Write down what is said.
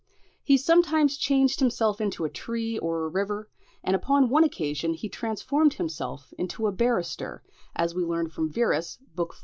He sometimes changed himself into a tree or a river; and upon one occasion he transformed himself into a barrister, as we learn from Wierus, book iv.